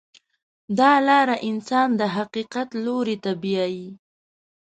دا لاره انسان د حقیقت لور ته بیایي.